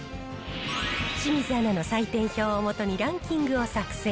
清水アナの採点表を基にランキングを作成。